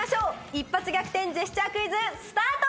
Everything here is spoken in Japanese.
「一発逆転‼ジェスチャークイズ」スタート。